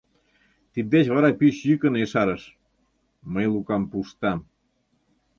— тиддеч вара пич йӱкын ешарыш: — Мый Лукам пуштам.